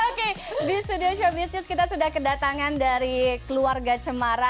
oke di studio showbiz news kita sudah kedatangan dari keluarga cemara